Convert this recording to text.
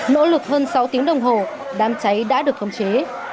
nỗ lực hơn sáu tiếng đồng hồ đám cháy đã được khống chế